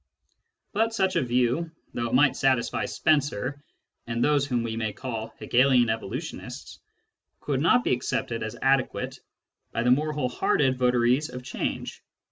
But such a view, though it might satisfy Spencer and those whom we may call Hegelian evolutionists, could not be accepted as adequate by the more whole hearted votaries of change.